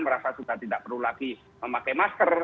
merasa sudah tidak perlu lagi memakai masker